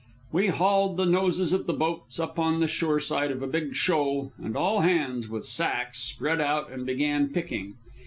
We hauled the noses of the boats up on the shore side of a big shoal, and all hands, with sacks, spread out and began picking.